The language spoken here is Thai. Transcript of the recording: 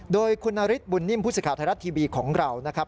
โดยคุณนฤทธบุญนิ่มผู้สื่อข่าวไทยรัฐทีวีของเรานะครับ